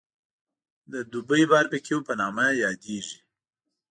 د دوبۍ باربکیو په نامه یادېږي.